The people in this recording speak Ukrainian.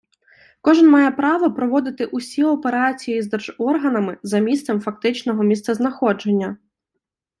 Кожен має право проводити усі операції з держорганами за місцем фактичного місцезнаходження.